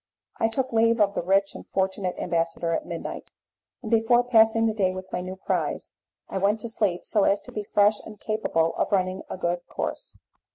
I took leave of the rich and fortunate ambassador at midnight, and before passing the day with my new prize I went to sleep so as to be fresh and capable of running a good course.